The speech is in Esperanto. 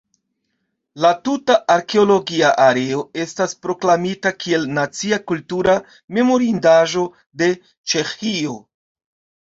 La tuta arkeologia areo estas proklamita kiel Nacia kultura memorindaĵo de Ĉeĥio.